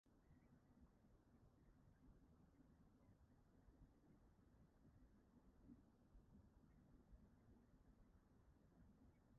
Lle bo'r detholiad yma yn anfwriadol, yna ei fwriad yw ei 'weithrediad cywir'.